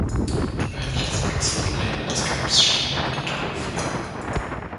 Die beiden letztplatzierten Länder des Cups stiegen in die Trophy ab.